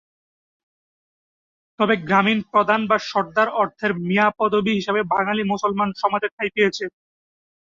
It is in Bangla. তবে গ্রামীণ প্রধান বা সর্দার অর্থের মিঞা পদবী হিসেবে বাঙালি মুসলমান সমাজে ঠাঁই পেয়েছে।